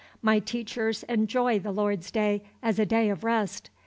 My teachers enjoy the Lord's day as a day of rest.